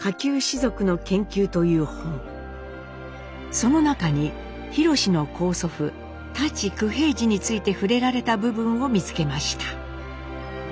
その中にひろしの高祖父舘九平治について触れられた部分を見つけました。